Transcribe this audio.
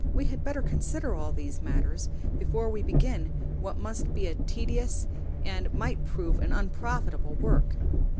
We had better consider all these matters before we begin what must be a tedious and might prove an unprofitable work."